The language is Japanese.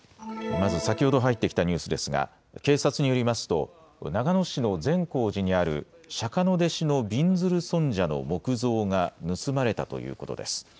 まず先ほど入ってきたニュースですが警察によりますと長野市の善光寺にある釈迦の弟子のびんずる尊者の木像が盗まれたということです。